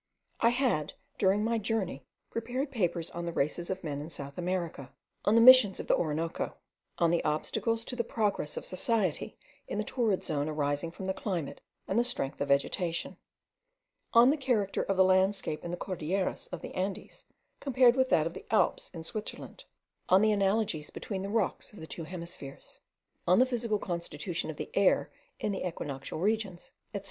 I had, during my journey, prepared papers on the races of men in South America; on the Missions of the Orinoco; on the obstacles to the progress of society in the torrid zone arising from the climate and the strength of vegetation; on the character of the landscape in the Cordilleras of the Andes compared with that of the Alps in Switzerland; on the analogies between the rocks of the two hemispheres; on the physical constitution of the air in the equinoctial regions, etc.